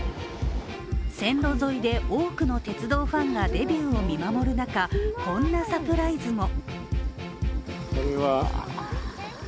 線路沿いで多くの鉄道ファンがデビューを見守る中、こんなサプライズも。